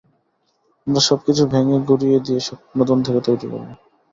আমরা সবকিছু ভেঙে গুঁড়িয়ে দিয়ে সব নতুন থেকে তৈরি করবো।